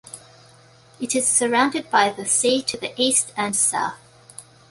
It is surrounded by the sea to the east and south.